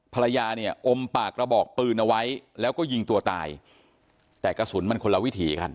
ภรรยาเนี่ยอมปากกระบอกปืนเอาไว้แล้วก็ยิงตัวตายแต่กระสุนมันคนละวิถีกัน